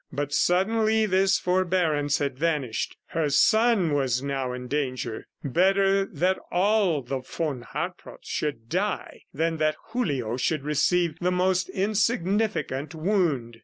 But suddenly this forbearance had vanished. Her son was now in danger. ... Better that all the von Hartrotts should die than that Julio should receive the most insignificant wound!